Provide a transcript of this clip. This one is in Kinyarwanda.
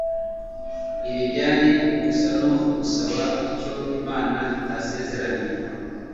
Ibi byari gusa no gusaba icyo Imana itasezeranye